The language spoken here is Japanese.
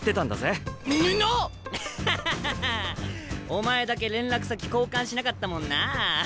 お前だけ連絡先交換しなかったもんなあ。